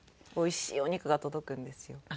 おいしいお肉が届くんですよ。